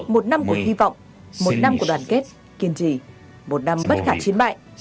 một năm của hy vọng một năm của đoàn kết kiên trì một năm bất khả chiến mại